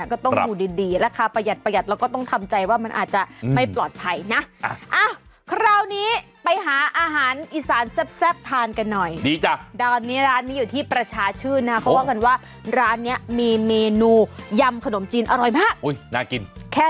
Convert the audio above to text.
ก็ต้องดูดีราคาประหยัดประหยัดแล้วก็ต้องทำใจว่ามันอาจจะไม่ปลอดภัยนะ